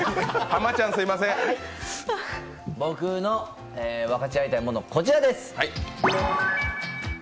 僕の分かち合いたいモノはこちらです。